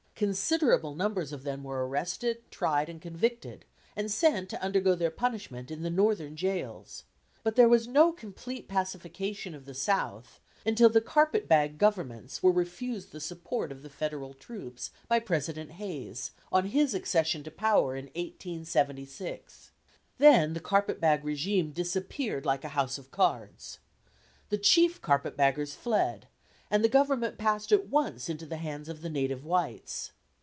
Considerable numbers of them were arrested, tried, and convicted, and sent to undergo their punishment in the Northern jails. But there was no complete pacification of the South until the carpet bag governments were refused the support of the Federal troops by President Hayes, on his accession to power in 1876. Then the carpet bag régime disappeared like a house of cards. The chief carpet baggers fled, and the government passed at once into the hands of the native whites.